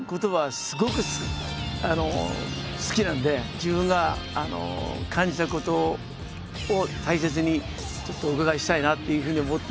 自分が感じたことを大切にちょっとお伺いしたいなっていうふうに思ってるので。